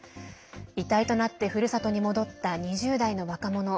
遺体となってふるさとに戻った２０代の若者。